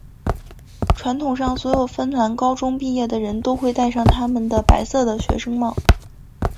传统上所有芬兰高中毕业的人都会带上他们的白色的学生帽。